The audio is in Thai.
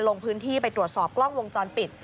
ลงพื้นที่ไปตรวจสอบกล้องวงจรปิด